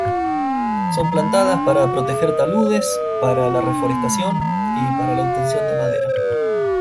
Son plantadas para proteger taludes, para la reforestación, y para la obtención de madera.